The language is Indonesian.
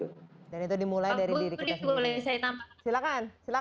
dan itu dimulai dari diri kita sendiri